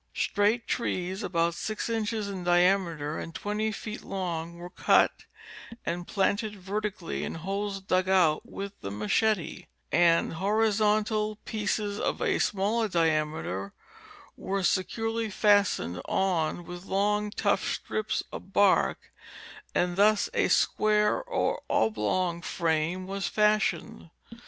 Straight trees about six inches in diameter and twenty feet long were cut and planted vertically in holes dug out with the machete, and 308 National Oeograjphic Magazine. Jhorizontal pieces of a smaller diameter were securely fastened on with long tough strips of bark, and thus a square or oblong frame was fashioned.